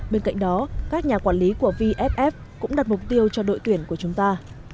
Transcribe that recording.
bên cạnh đó các nhà quản lý của vff cũng đặt mục tiêu cho đội tuyển của chúng ta